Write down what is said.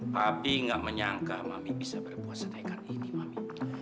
mami gak menyangka mami bisa berpuasa naikkan ini mami